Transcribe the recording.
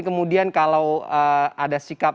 kemudian kalau ada sikap